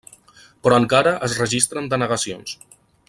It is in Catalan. Però encara es registren denegacions.